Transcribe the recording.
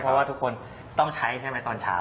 เพราะว่าทุกคนต้องใช้ใช่ไหมตอนเช้า